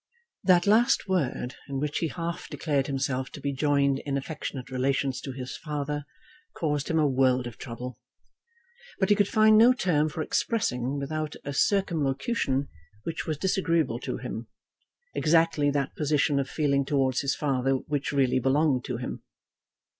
That last word, in which he half declared himself to be joined in affectionate relations to his father, caused him a world of trouble. But he could find no term for expressing, without a circumlocution which was disagreeable to him, exactly that position of feeling towards his father which really belonged to him.